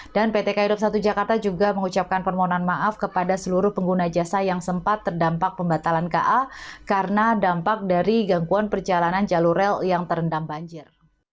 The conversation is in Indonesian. dan pt kai daerah operasional satu jakarta juga mengucapkan permohonan maaf kepada seluruh pengguna jasa yang sempat terdampak pembatalan ka karena dampak dari gangguan perjalanan jalur rel yang terendam banjir